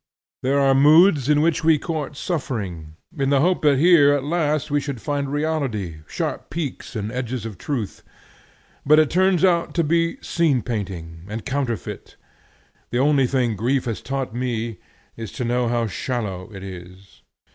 There are moods in which we court suffering, in the hope that here at least we shall find reality, sharp peaks and edges of truth. But it turns out to be scene painting and counterfeit. The only thing grief has taught me is to know how shallow it is.